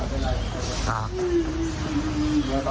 อยู่คนเดียวครับ